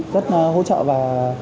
rất hỗ trợ và